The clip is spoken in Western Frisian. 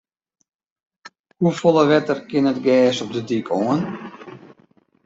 Hoefolle wetter kin it gers op de dyk oan?